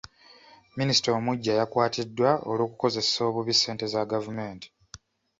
Minisita omuggya yakwatiddwa olw'okukozesa obubi ssente za gavumenti.